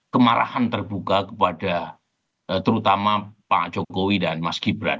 kemarahan terbuka kepada terutama pak jokowi dan mas gibran